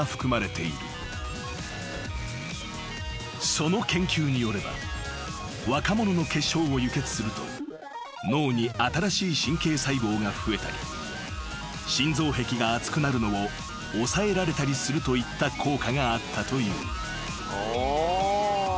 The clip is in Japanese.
［その研究によれば若者の血漿を輸血すると脳に新しい神経細胞が増えたり心臓壁が厚くなるのを抑えられたりするといった効果があったという］